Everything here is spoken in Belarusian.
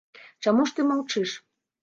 Чаму ж ты маўчыш?